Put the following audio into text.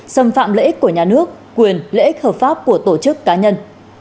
xâm phạm lợi ích của nhà nước quyền lợi ích hợp pháp của tổ chức cá nhân